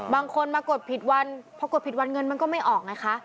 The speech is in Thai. บางคนมากดผิดวันพอกดผิดวันเงินมันก็ไม่ออกไงคะ